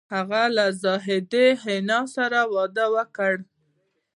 هغه له زاهدې حنا سره واده وکړ